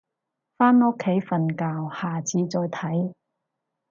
返屋企瞓覺，下次再睇